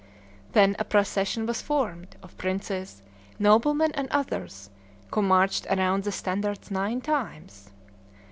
Then a procession was formed, of princes, noblemen, and others, who marched around the standards nine times.